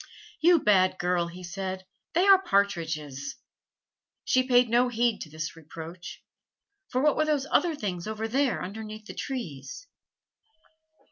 "You bad girl!" he said, "they are partridges." She paid no heed to this reproach, for what were those other things over there underneath the trees?